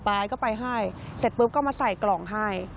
ไปก็ไปให้เสร็จปุ๊บก็มาใส่กล่องให้